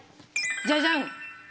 じゃじゃん！